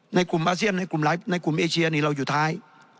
ในกลุ่มอาเซียนในกลุ่มเอเชียนเราอยู่ท้าย